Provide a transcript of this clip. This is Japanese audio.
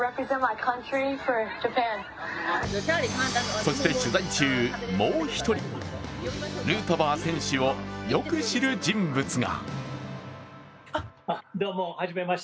そして取材中、もう１人ヌートバー選手をよく知る人物が。